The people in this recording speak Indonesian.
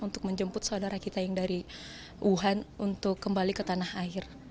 untuk menjemput saudara kita yang dari wuhan untuk kembali ke tanah air